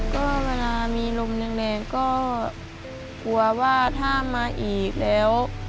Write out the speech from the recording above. ก็เวลามีลมแรงก็กลัวว่าถ้ามาอีกแล้ว